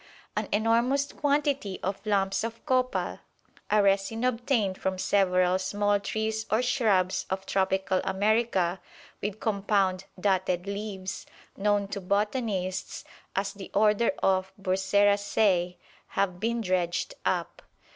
An enormous quantity of lumps of copal, a resin obtained from several small trees or shrubs of tropical America with compound dotted leaves, known to botanists as the order of Burseraceae, have been dredged up.